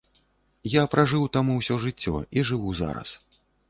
Я пражыў там усё жыццё і жыву зараз.